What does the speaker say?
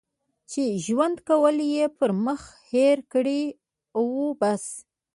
چې ژوند کول یې پر مخ هېر کړي او بس.